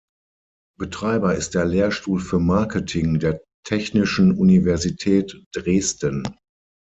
Betreiber ist der "Lehrstuhl für Marketing" der Technischen Universität Dresden.